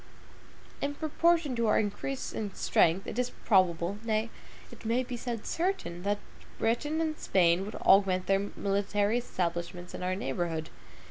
In proportion to our increase in strength, it is probable, nay, it may be said certain, that Britain and Spain would augment their military establishments in our neighborhood.